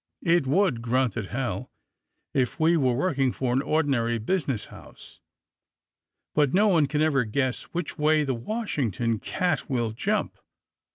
''It would," grunted Hal, "if we were work ing for an ordinary business house. But no one can ever guess which way the Washington cat will jump.